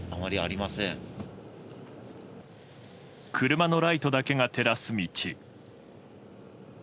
車のライトだけが照らす道。